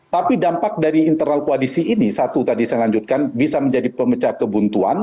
tapi dampak dari internal koalisi ini satu tadi saya lanjutkan bisa menjadi pemecah kebuntuan